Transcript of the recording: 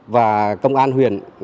và công an huyện